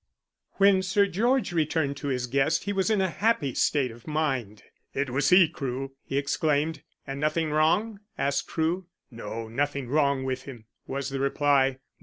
When Sir George returned to his guest he was in a happy state of mind. "It was he, Crewe," he exclaimed. "And nothing wrong?" asked Crewe. "No, nothing wrong with him," was the reply.